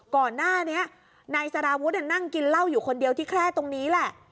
ก่อนหน้านี้นายสารวุฒินั่งกินเหล้าอยู่คนเดียวที่แคร่ตรงนี้แหละ